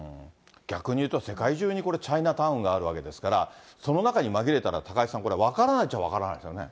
逆に言うと、世界中にこれ、チャイナタウンがあるわけですから、その中に紛れたら、高井さん、分からないっちゃ分からないですよね。